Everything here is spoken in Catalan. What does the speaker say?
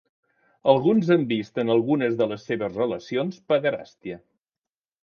Alguns han vist en algunes de les seues relacions pederàstia.